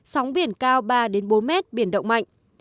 sóng biển cao ba đến bốn m biển động mạnh